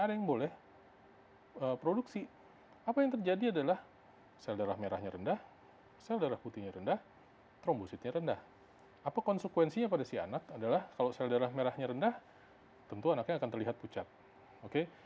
ada yang boleh produksi apa yang terjadi adalah sel darah merahnya rendah sel darah putihnya rendah trombositnya rendah apa konsekuensinya pada si anak adalah kalau sel darah merahnya rendah tentu anaknya akan terlihat pucat oke